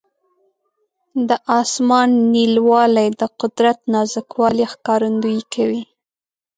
د اسمان نیلاوالی د قدرت نازک والي ښکارندویي کوي.